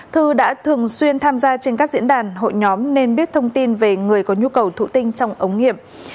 thư đã thường xuyên tham gia trên các diễn đàn hội nhóm nên biết thông tin về người có nhu cầu thụ tinh trong ống nghiệm